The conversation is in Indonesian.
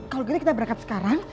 kalau gitu kita berangkat sekarang